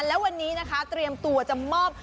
และวันนี้นะคะเตรียมตัวจะมอบ